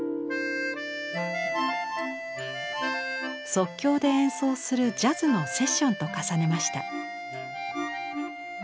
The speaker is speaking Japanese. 即興で演奏するジャズのセッションと重ねました。